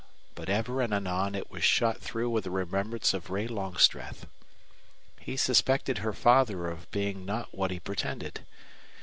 But ever and anon it was shot through with a remembrance of Ray Longstreth. He suspected her father of being not what he pretended.